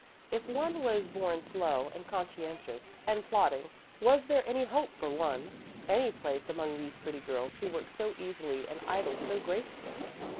If one was born slow and conscientious and plodding, was there any hope for one, any place among these pretty girls who worked so easily and idled so gracefully?